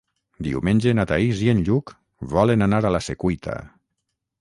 Diumenge na Thaís i en Lluc volen anar a la Secuita.